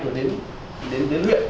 rồi đến huyện